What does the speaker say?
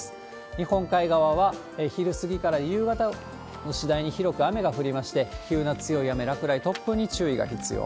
日本海側は昼過ぎから夕方、次第に広く雨が降りまして、急な強い雨、落雷、突風に注意が必要。